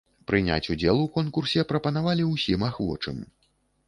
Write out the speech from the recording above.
Прыняць удзел у конкурсе прапанавалі ўсім ахвочым.